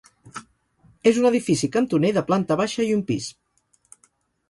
És un edifici cantoner de planta baixa i un pis.